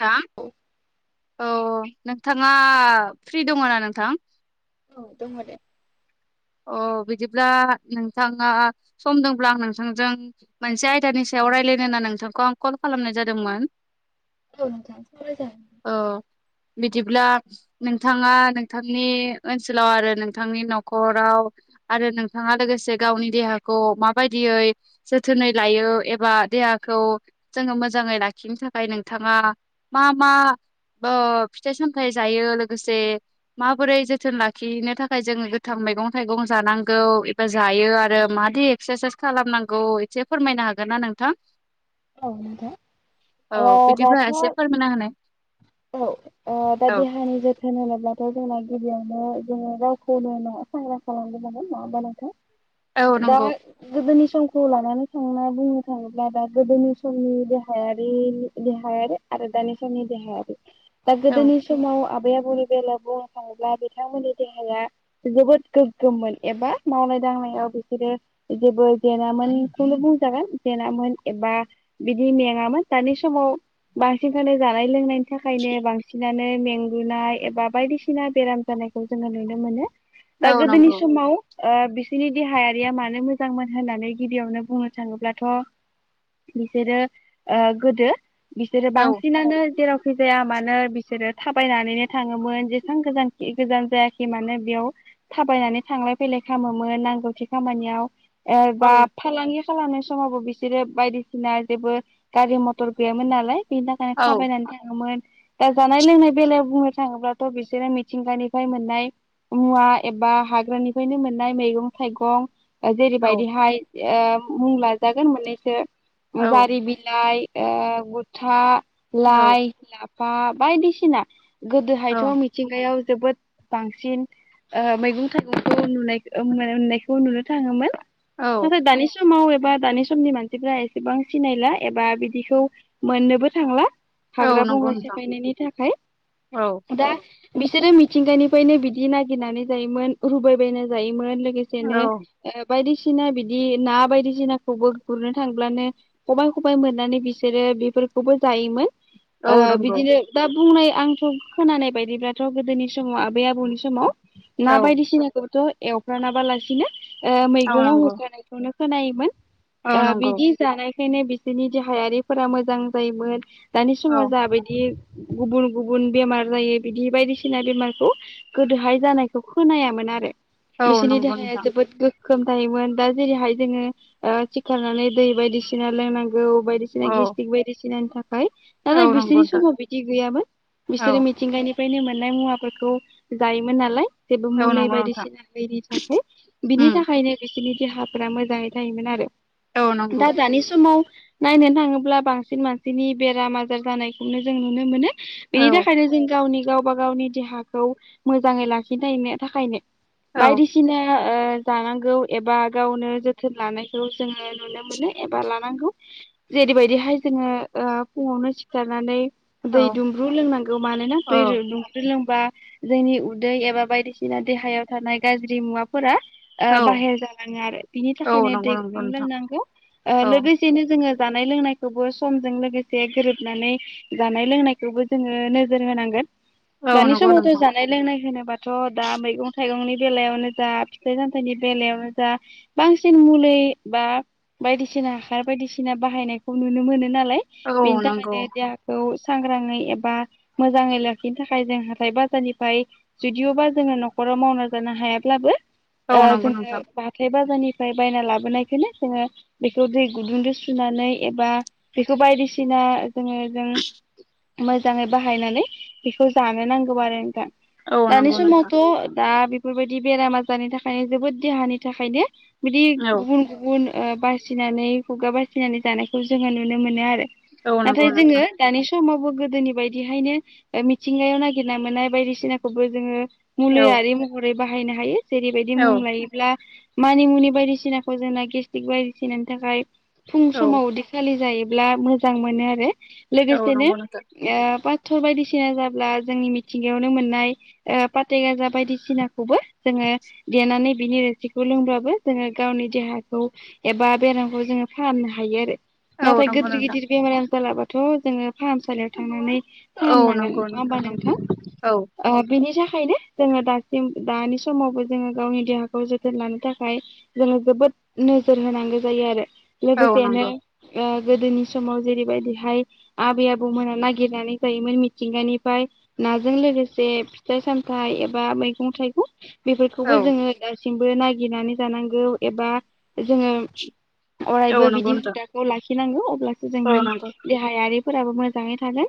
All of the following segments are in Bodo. नोंथां औ औ नोंथाङा फ्रि दङ ना नोंथां? औ दङ दे अ बिदिब्ला नोंथाङा समदोंब्ला आं नोंथांजों मोनसे आयदानि सायाव राय लायनो होनना नोंथांखौ आं कल खालामनाय जादोंमोन। औ नोंथां सावरायजागोन। औ बिदिब्ला नोंथाङा नोंथांनि ओनसोलाव आरो नोंथांनि न'खर राव आरो नोंथाङा लोगोसे गावनि देहाखौ माबायदियै जोथोनै लायो। एबा देहाखौ जोङो मोजाङै लाखिनो थाखाय नोंथाङा मा मा? ओ फिथाइ सामथायाइ जायो लोगोसे माबोरै जोथोन लाखिनो थाखाय जोङो गोथां मैगं थाइगं जानांगौ एबा जायो आरो माबाददि एक्सारसाइस खालामनांगौ एसे फोरमायनो हागोन ना नों थां औ नोंथां औ ओ बिदिब्ला दाथ' एसे फोरमायना होनाय। औ दा देहानि जोथोन होनोब्लाथ' जोंना गिबियावनो जोङो गावखौनो नं आव सांग्रां खालामग्रोनांगौ नङा होनबा नोंथां। औ दा नंगौ गोदोनि जुग समखौ लानानै थांना बुंनो थाङोब्ला दा गोदोनि समनि देहायारि देहायारि आरो दानि समनि देहायारि दा गोदोनि समाव बै आबनि बेलायाव बुंनो थाङोब्ला बिथांमोननि देहाया जोबोद गोग्गोममोन एबा मावनाय माउनाय दांनाय बिसोरो जेबो जेेनामोनखौनो बुंजागोन जेेनामोन एबा बिदि मेंआमोन दानि समाव बांसिनखौनो जानाय लोंनायनि थाखायनो बांसिना मेंगुनाय एबा बायदिसिना बेराम जानायखौ जोङो नुनो मोनो। दा औ गोदोनि नंगौ समाव बिसोरनि देहायारिया मानो मो जांमोन होननानै गिबियावनो बुंनो थाङोब्लाथ' बिसोरो ओ गोदो बिसोरो औ बांसिनानो जेरावखि जाया मानो बिसोरो थाबायनानैनो थाङोमोन जेसेबां गोज गोजान जायाखै मानो बि थाबायनानै थांलाय फैलाय खालामोमोन नांगौखि खामानियाव। औ एबा फालांगि खालामनाय समावबो बिसे सोरो बायदिसिना जेबो गारि मथर गैयामोन नालाय बेनि थाखायनो थाबायनानै दा जानाय लोंनाय बेलायाव बुंनो थाङोब्लाथ' बिसोरो मिथिंगानिफ्राय मोननाय मा एबा हाग्रानिफ्रायनो मोननाय मैगं थाइगं औ जेरैबायदिहाय ओ मुं लाजागोन मोननैसो औ जारिऊ बिलाइ। ए गुथा लाइ लाफा बायदिसिना गोदोहायथ' औ मिथिंगायाव जोबोद बांसिन मैगं थाइगंखौ नुनाय नुनायखौ नुनो थाङोमोन औ नाथाय दानि समाव एबा दानि समनि मानसिफ्रा एसेबां सिनायला एबा बिदिखौ मोननोबो थांला। औ हाग्रा नंगौ बंग्रा नोंथां सेफायनायनि थाखाय औ दा बिसोरो मिथिंगानिफ्रायनो बिदि नागिरनानै जायोमोन रुबायबायना जायोमोन। औ लोगोसेनो बायदिसिना बायदिसिना बिदि ना बायदिसिनाखौबो गुरनो थांब्लानो खबबाय खबबाय मोननानै बिसोरो बेफोरर खौबो जायोमोन। औ ओ नंगौ बिदिनो दा बुंनाय आंथ' खोनानाय बायदिब्लाथ' गोदोनि समाव आबै आबौनि समाव औ ना बायदिसिनाखौथ' एवफ्रानाबालासिनो औ मैगंआव नंगौ होखानायखौनो खोनायोमोन। औ ओ नंगौ बिदि जानाय बेखायनो बिसोरनि देहायारिफोरा मोजां जायोमोन दानि औ समाव जाबायदि गुबुन गुबुन बेमार जायो बिदि बायदिसिना बेमारखौ गोदोहाय जानायखौ खोनायामोन आरो। औ बिसोरनि नंगौ देहाया नोंथां जोबोद ग्गो खोम थायायोमोन दा जेरैहाय जोङो सिखारनानै दै बायदिसिना लोंनांगौ गौ बायदिसिना औ गेस्टिक बायदिसिनानि थाखाय औ नालाय नंगौ बिसोरनि नोंथां समाव बिदि गैयामोन औ बिसोरो मिथिंगानि बेहायनो मोननाय मुवाफोरखौ जायोमोन नालाय। जेबो औ मुलि नंगौ नोंथां बायदिसिना होयनि थाखाय बिनि उम थाखायनो बेसोरनि देहाफोरा मोजाङै थायोमोन आरो औ नंगौ दा दानि समाव नायनो थाङोब्ला बांसिन मानसिनि बेराम आजार जानायखौनो जों नुनो मोनो। औ बेनि थाखायनो जों गावनि गावबा गावनि देहाखौ मोजाङै लाखिथनो थाखायनो औ बायदिसिना ओ जानांगौ एबा गावनो जोथोन लानायखौ जोङो नुनो मोनो एबा लानांगौ। जेरैबायदिहाय जोङो ओ फुङावनो सिखारनानै औ दै दुमब्रु लोंनांगौ मानोना दै दुमब्रुखौ लों बा जोंनि उदै एबा बायदिसिना देहायाव थानाय गाज्रि मुवाफोरा ओ औ बाहेर जालाङो आरो बिनि औ थाखायनो नंगौ दै नंगौ गुदुं नोंथां लोंनांगौ। ओ औ लोगोसेनो जोङो जानाय लोंनायखौबो समजों लोगोसे गोरो नानै जानाय लोंनायखौबो जोङो नोजोर होनांगोन। औ दानि नंगौ समावथ' नोंथां जानाय लोंनाय होनोबाथ' दा मैगं थाइगंनि बेलायावनो जा फिथाइ सामथाइनि बेलायावनो जा बांसिन मुलि बा बायदिसिना हासार बायदिसिना बाहायनायखौ नुनो मोनो नालाय औ बेनि थाखाय नंगौ औ सांग्राङै एबा मोजाङै लाखिनो थाखाय जों हाथाय बाजारनिफ्राय जुदिअबा जोङो न'खराव मावना जानो हायाब्लाबो औ ओ नंगौ जोङो नोंथां हाथाय बाजारनि फ्राय बायना लाबोनायखौनो जोङो बेखौ दै गुदुंजों सुनानै एबा बेखौ बायदिसिना जोङो जों मोजाङै बाहायनानै बेखौ जानो नांगौ आरो नोंथां। औ दानि नंगौ नोंथां समावथ' दा बेफोरबायदि बेराम आजारनि थाखायनो जोबोद देहानि थाखायनो बिदि औ गुबुन गुबुन ओ बासिनानै खुगा बासिनानै जानायखौ जोङो नुनो मोनो आरो। औ नंगौ नाथाय नोंथां जोङो दानि समावबो गोदोनि बायदिहायनो ओ मिथिंगायाव नागिरना मोननाय बायदिसिनाखौबो जोङो औ मुलियारि महरै बाहायनो हायो जेरैबायदि औ मुं लायोब्ला मानिमुनि बायदिसिनाखौ जोंना गेस्ट्रिक बायदिसिनानि थाखाय फुं समाव औ उदैखालि जायो ब्ला मोजां मोनो आरो औ लोगोसेनो नंगौ नोंथां ओ [unintelligible] पाथर बायदिसिना जाब्ला जोंनि मिथिंगायावनो मोननाय ओ पाथे गाजा बायदिसिनाखौबो जोङो देनानै बिनि रोसिखौ लोंब्लाबो जोङो गावनि देहाखौ एबा बेरामखौ जोङो फा फाहामनो हायो आरो औ नाथाय नंगौ गिदिर नोंथां गिदिर बेमारानो जालाबाथ' जोङो फाहामसालियाव थांनानै औ फाहामनांगोन नंगौ नङा होमबा नंगौ नोंथां? औ ओ बेनि था खायनो जोङो दासिम दानि समावबो जोङो गावनि देहाखौ जोथोन लानो थाखाय जोङो जोबोद नोजोर होनांगौ जायो आरो औ लोगोसेनो नंगौ ओ गोदोनि समाव जेरैबाय बेहाय आबै आबौमोना नागिरनानै जायोमोन मिथिंगानिफ्राय नाजों लोगोसे फिथाइ सामथाइ एबा मैगं थाइगं। औ बेफोरखौबो जोङो दासिमबो नागिरनानै जानांगौ एबा जोङो औ अरायबो नंगौ बिदि नोंथां हुदाखौ लाखिनांगौ अब्लासो औ जोंनि नंगौ गायारिफोराबो मोजाङै थागोन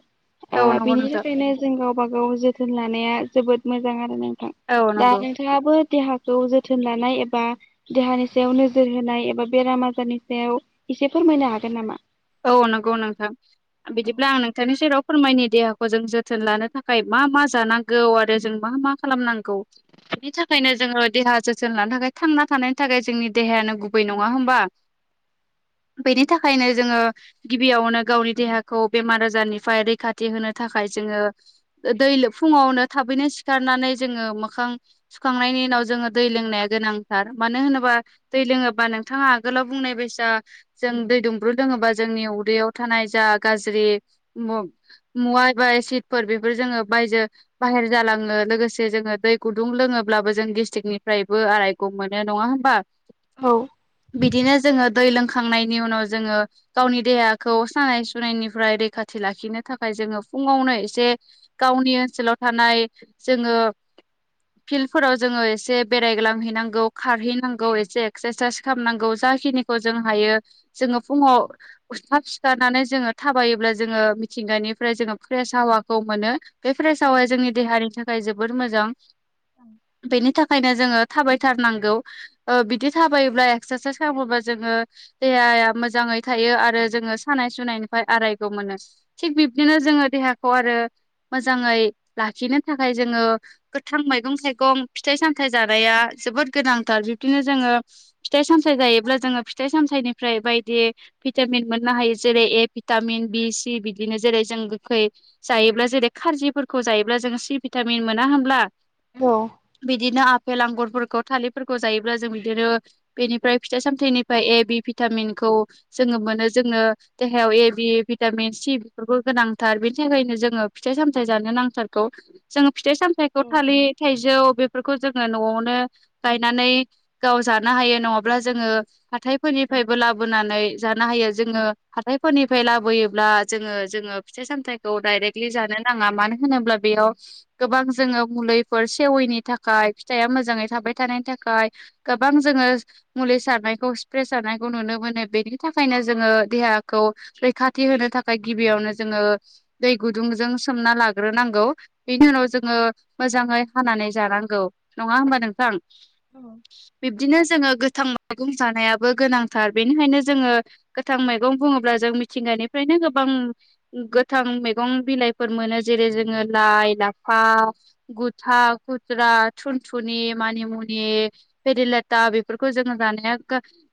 ओ औ नंगौ बिनि नोंथां थाखायनो जों गाव गावबा गाव जोथोन लानाया जोबोद मोजां आरो नोंथां। औ दा नंगौ नोंथाङाबो देहाखौ जोथोन लानाय एबा देहानि सायाव नोजोर होनाय एबा बेराम आजारनि सायाव एसे फोरमायनो हागोन नामा? औ नंगौ नोंथां बिदिब्ला आं नोंथांनि सेराव फोरमायनि देहाखौ जों जोथोन लानो थाखाय मा मा जानांगौ आरो जों मा मा खालामनांगौ? बिनि थाखायनो जोङो देहा जोथोन लानो थाखाय थांना थानायनि थाखाय जोंनि देहायानो गुबै नङा होमबा? बेनि थाखायनो जोङो गिबियावनो गावनि देहाखौ बेमार आजारनिफ्राय रैखाथि होनो थाखाय जोङो दै फुङावनो थाबैनो सिखारनानै जोङो मोखां सुखांनायनि उनाव जोङो दै लोंनाया गोनांथार। मानो होनोबा दै लोङोबा नोंथाङा आगोलाव बुंनाय बायसा जों दै दुंब्रु लोङोबा जोंनि उदैयाव थानाय जा गाज्रि मु मुवा एबा एसिडफोर बेफोर जो बायजो बाहेर जालाङो लोगोसे जोङो दै गुदुं लोङोब्लाबो जों गेस्ट्रिकनिफ्रायबो आरायगं मोनो नङा होमबा औ बिदिनो जोङो दै लोंखांनायनि उनाव जोङो गावनि देहाखौ सानाय सुनायनिफ्राय रैखाथि लाखिनो थाखाय जोङो फुङावनो एसे गाव गावनि ओनसोलाव थानाय जोङो फिल्डफोराव जोङो एसे बेरायग्लांहैनांगौ खारहैनांगौ एसे एक्सारसाइस खालामनांगौ। जाखिनिखौ जों हायो जोङो फुङाव उसथाब सिखारनानै जोङो थाबायोब्ला जोङो मिथिंगानिफ्राय जोङो फ्रेस हावाखौ मोनो। बे फ्रेस हावा जोंनि देहानि थाखाय जोबोर मोजां बेनि थाखायनो जोङो थाबायथारनांगौ बिदि थाबायोब्ला एक्सारसाइस खालामोबा जोङो देहाया मोजाङै थायो आरो जोङो सानाय सुनायनिफ्राय आरायग' मोनो थिग बिब्दिनो जोङो देहाखौ आरो मोजाङै लाखिनो थाखाय जोङो गोथां मैगं थाइगं फिथाइ सामथायाइ जानाया जोबोद गोनांथार बिबदिनो जोङो फिथाइ सामथायाइ जायोब्ला जोङो फिथाइ सामथायाइनिफ्राय बायदि भिटामिन मोननो हायो जेरै ए भिटामिन बि सि बिदिनो जेरै जों गोखै जायोब्ला जेरै खारजिफोरखौ जायोब्ला जों सि भिटामिन मोना होनब्ला औ बिदिनो आपेल आंगुरफोरखौ थालिरफोरखौ जायोब्ला जों बिदिनो बेनिफ्राय फिथाइ सामथायाइनिफ्राय ए बि भिटामिनखौ जोङो मोनो जोङो देहायाव ए बि भिटामिन सि बेफोरखौ गोनांथार बेनि थाखायनो जोङो फिथ फिथाइ सामथाय जानो नांथारखौ जोङो फिथाइ सामथथायखौ थालिर थ जौ बेफोरखौ जोङो न'आवनो गायनानै गाव जानो हायो नङाब्ला जोङो हाथायफोरनिफ्रायबो लाबोनानै जानो हायो जोङो हाथायफोरनिफ्राय लाबोयोब्ला जोङो जोङो फिथाइ सामथाइखौ डाइरेक्टलि जानो नाङा मानो होनोब्ला बेयाव गोबां जोङो मुलिफोर सेवैनि थाखाय फिथाइया मोजाङै थाब थाबाय थानायनि थाखाय गोबां जोङो मुलि सारनायखौ स्प्रे सारनायखौ नुनो मोनो बेनि थाखायनो जोङो देहाखौ रैखाथि होनो थाखाय गिबियावनो जोङो दै गुदुं जों सोमना लाग्रोनांगौ। बिनि उनाव जोङो मोजाङै हानानै जानांगौ नङा होमबा नोंथां? बिब्दिनो जोङो गोथां मैगं जानायाबो गोनांथार बेनिखायनो जोङो गोथां मैगं बुङोब्ला जों मिथिंगानिफ्रायनो गोबां गोथां मैगं बिलाइ फोर मोनो जेरै जोङो लाइ लाफा गुथा गुत्रा थुनथुनि मानि मुनि पेदिलथा बेफोरखौ जोङो जानाया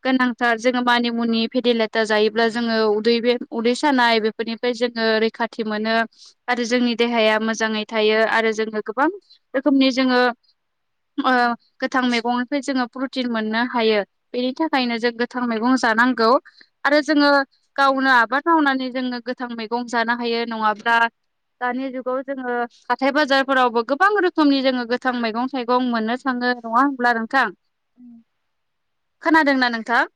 गोनांथार जोङो मानिमुनि मुनि फेदेलेथा जायोब्ला जोङो उदै सानाय बेफोरनिफ्राय जोङो रैखाथि मोनो। आरो जोंनि देहाया मोजाङै थायो आरो जोङो गोबां रोखोमनि जोङो गोथां मैगंनिफ्राय जोङो प्रटिन मोननो हायो बेनि थाखायनो जों गोथां मैगं जा जानांगौ आरो जोङो गावनो आबाद मावनानै जोङो गोथां मैगं जानो हायो नङा ब्ला दानि जुगाव जोङो हाथाइ बाजारफोरावबो गोबां रोखोमनि जोङो गोथां मैगं थाइगं मोननो थाङो ओ नङा होनब्ला नोंथां उम खोनादोंना नोंथां?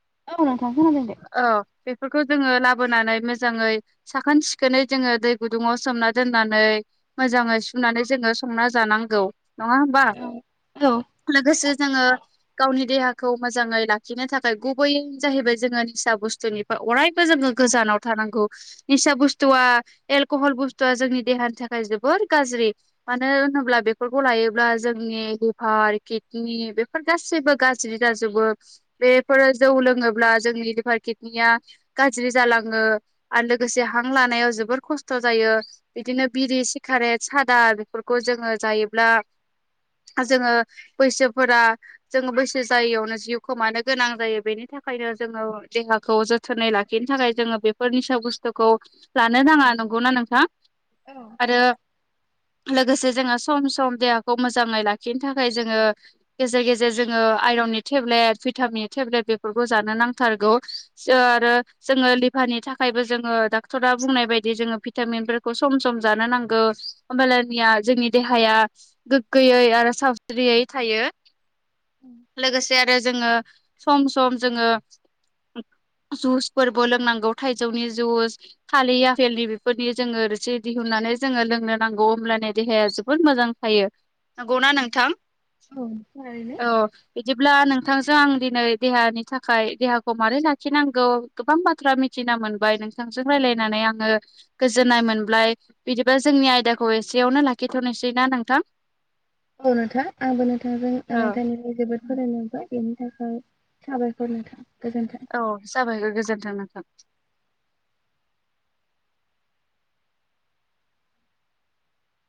खोनादों दे औ बेफोरखौ जोङो लाबोनानै मोजाङै साखोन सिखोनै जोङो दै गुदुंआव सोमना दोननानै मोजाङै सुनानै जोङो संना जानांगौ नङा होमबा? औ औ लोगोसे जोङो गावनि देहाखौ मोजाङै लाखिनो थाखाय गुबै जाहैबाय जोङो निसा बुस्थुनिफ्राय अरायबो जोङो गोजानाव थानांगौ निसा बुस्थुआ एलक'हल बुस्थुआ जोंनि देहानि थाखाय जोबोर गाज्रि मानो होनोब्ला बेफोरखौ लायोब्ला जोंनि लिभार किदनि बेफोर गासैबो गाज्रि जाजोबो बेफोरो जौ लोङोब्ला अ जोंनि लिभार किडनिया गाज्रि जालाङो आरो लोगोसे हां लानायाव जोबोर खस्थ' जायो बिदिनो बिरि सिगारेट सादा बेफोरखौ जोङो जायोब्ला जोङो बैसोफोरा जोङो बैसो जायैयावनो जिउ खोमानो गोनां जायो बेनि थाखाय नो जोङो देहाखौ जोथोनै लाखिनो थाखाय जोङो बेफोर निसा बुस्थुखौ लानो नाङा नङा नंगौना नोंथां आरो लोगोसे जोङो सम सम देहाखौ मोजाङै लाखिनो थाखाय जोङो गेजेर गेजेर जोङो आयरन नि तेबलेत भितामिन नि तेबलेत जानो नांथारगौ आरो जोङो लिभारनि थाखायबो जोङो डाक्टरा बुंनाय बाय जों भिटामिनफोरखौ सम सम जानो नांगौ हब्लानिया जोंनि देहाया गोगो यै आरो सावस्रियै थायो [unintelligible] लोगोसे आरो जोङो सम सम जोङो जुसफोरबो लोंनांगौ थाइजौनि जुस थालिर आफेलनि बेफोरनि रोसि दिहुन्ना जोङो लोंनो नांगौ होमब्लानो देहाया जोबोद मोजां थायो नंगौना नोंथां औ थारैनो औ बिदिब्ला नोंथांजों आं दिनै देहानि थाखाय देहाखौ मोरै लाखिनांगौ गोबां बाथ्रा मिथिना मोनबाय नोंथांजों रायलायनानै आङो गोजोन्नाय मोनबाय बिदिबा जोंनि आयदाखौ एसेयावनो लाखिथ'नोसैनाा नोंथां औ नोंथा आंबो नोंथांजों रायज्लायना जोबोद फोरमायलांबाय बेनि थाखाय साबायखर नोंथां गोजोन्थों। औ जाबाय गोजोन्थों नोंथां